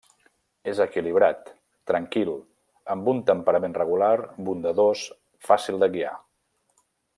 És equilibrat, tranquil, amb un temperament regular, bondadós, fàcil de guiar.